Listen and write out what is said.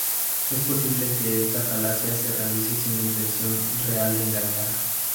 Es posible que esta falacia se realice sin una intención real de engañar.